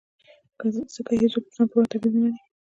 ځکه هېڅوک د ځان پر وړاندې تبعیض نه مني.